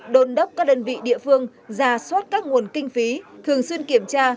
đôn đốc các đơn vị địa phương ra soát các nguồn kinh phí thường xuyên kiểm tra